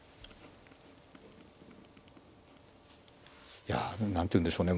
いや何ていうんでしょうね